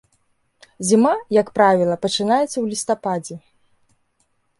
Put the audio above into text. Зіма, як правіла, пачынаецца ў лістападзе.